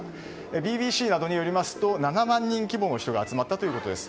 ＢＢＣなどによりますと７万人規模の人が集まったということです。